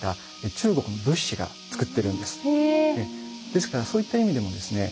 ですからそういった意味でもですね